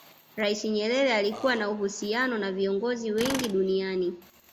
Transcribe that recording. rais nyerere alikuwa na uhusiano na viongozi wengi duniani